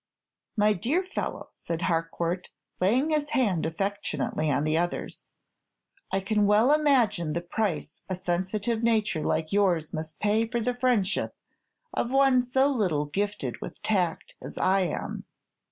"My dear fellow," said Harcourt, laying his hand affectionately on the other's, "I can well imagine the price a sensitive nature like yours must pay for the friendship of one so little gifted with tact as I am.